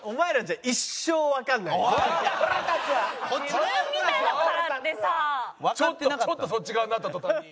ちょっとそっち側になった途端に。